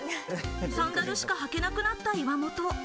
サンダルしか履けなくなった岩本。